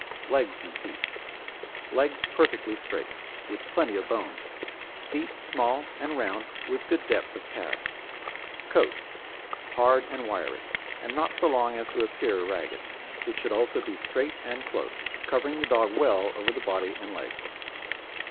LEGS AND FEET Legs perfectly straight, with plenty of bone; feet small and round with good depth of pad. COAT Hard and wiry, and not so long as to appear ragged; it should also be straight and close, covering the dog well over the body and legs.